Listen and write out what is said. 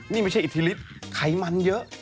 นี่ไม่ใช่อิทธิฤทธิ์ไขมันเยอะ